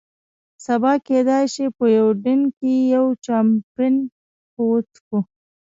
سبا کېدای شي په یوډین کې یو، چامپېن به وڅښو.